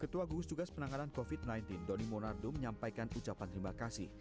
ketua gugus tugas penanganan covid sembilan belas doni monardo menyampaikan ucapan terima kasih